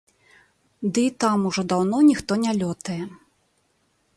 Ды і там ужо даўно ніхто не лётае.